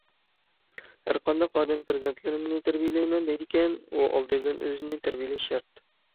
ھەرقانداق ئادەم پەرزەنتلىرىمنى تەربىيەلەيمەن دەيدىكەن، ئۇ ئالدى بىلەن ئۆزىنى تەربىيەلىشى شەرت.